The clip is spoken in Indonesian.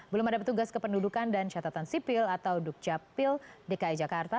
belum ada petugas kependudukan dan catatan sipil atau dukcapil dki jakarta